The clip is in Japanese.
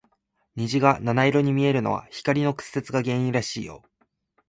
虹が七色に見えるのは、光の屈折が原因らしいよ。